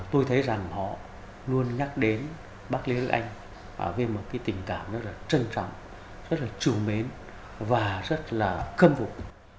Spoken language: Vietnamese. tôi thấy rằng họ luôn nhắc đến bác lê đức anh với một cái tình cảm rất là trân trọng rất là chủ mến và rất là khâm phục